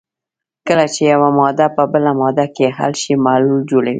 کله چې یوه ماده په بله ماده کې حل شي محلول جوړوي.